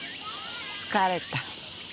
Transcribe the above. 疲れた。